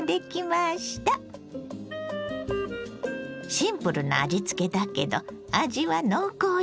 シンプルな味つけだけど味は濃厚よ。